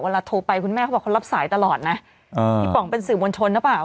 โทรไปคุณแม่เขาบอกเขารับสายตลอดนะพี่ป๋องเป็นสื่อมวลชนหรือเปล่า